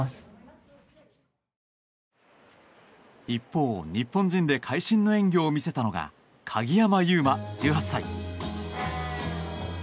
一方、日本人で会心の演技を見せたのが鍵山優真、１８歳。